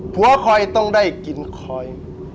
ผัวคอยตาย